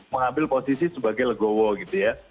mengambil posisi sebagai legowo gitu ya